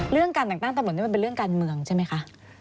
เรื่องการแต่งตั้งตำรวจนี่มันเป็นเรื่องการเมืองใช่ไหมคะ